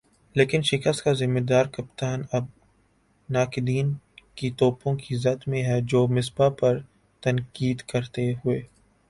لیکن شکست کا "ذمہ دار" کپتان اب ناقدین کی توپوں کی زد میں ہے جو مصباح پر تنقید کرتے ہوئے